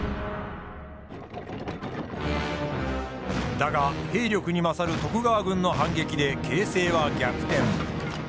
だが兵力に勝る徳川軍の反撃で形勢は逆転。